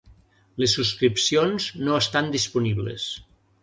Les subscripcions no estan disponibles.